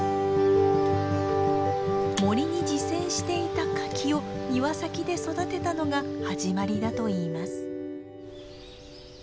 森に自生していた柿を庭先で育てたのが始まりだといいます。